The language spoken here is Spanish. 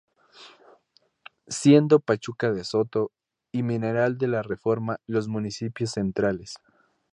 Siendo Pachuca de Soto y Mineral de la Reforma los municipios centrales.